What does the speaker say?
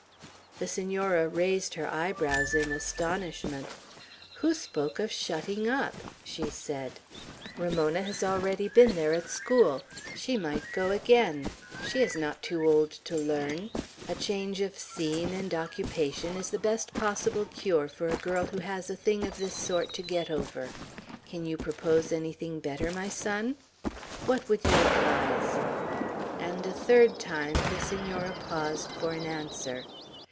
The Senora raised her eyebrows in astonishment. "Who spoke of shutting up?" she said. "Ramona has already been there at school. She might go again. She is not too old to learn. A change of scene and occupation is the best possible cure for a girl who has a thing of this sort to get over. Can you propose anything better, my son? What would you advise?" And a third time the Senora paused for an answer.